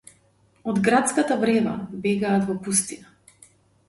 Од градската врева бегаат во пустина